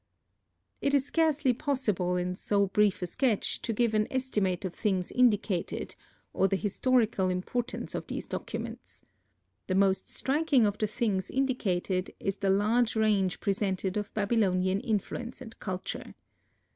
It is scarcely possible, in so brief a sketch, to give an estimate of things indicated, or the historical importance of these documents. The most striking of the things indicated is the large range presented of Babylonian influence and culture.